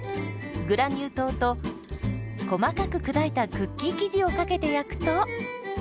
グラニュー糖と細かく砕いたクッキー生地をかけて焼くと。